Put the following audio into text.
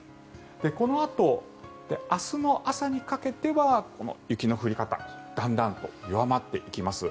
このあと、明日の朝にかけては雪の降り方だんだんと弱まっていきます。